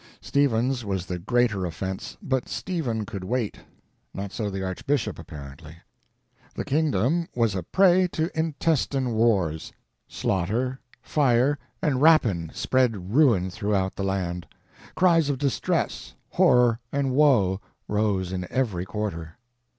Stephen's was the greater offense, but Stephen could wait; not so the Archbishop, apparently. The kingdom was a prey to intestine wars; slaughter, fire, and rapine spread ruin throughout the land; cries of distress, horror, and woe rose in every quarter.